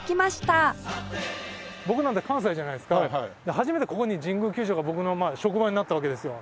初めてここに神宮球場が僕の職場になったわけですよ。